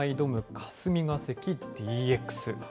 霞が関Ｄ